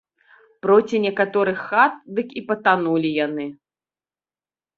Проці некаторых хат дык і патанулі яны.